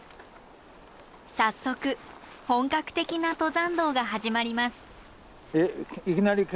早速本格的な登山道が始まります。